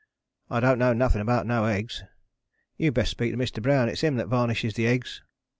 I don't know nothing about 'no eggs. You'd best speak to Mr. Brown: it's him that varnishes the eggs.